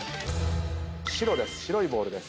白です。